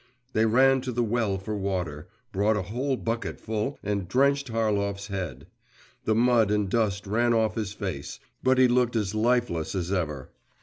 They ran to the well for water, brought a whole bucketful, and drenched Harlov's head. The mud and dust ran off his face, but he looked as lifeless as ever.